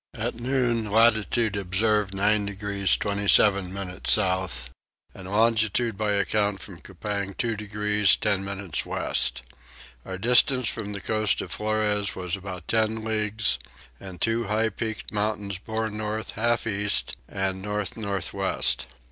At noon latitude observed 9 degrees 27 minutes south, and longitude by account from Coupang 2 degrees 10 minutes west. Our distance from the coast of Flores was about 10 leagues; and two high peaked mountains bore north half east and north north west.